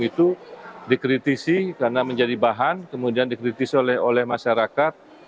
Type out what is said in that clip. itu dikritisi karena menjadi bahan kemudian dikritisi oleh masyarakat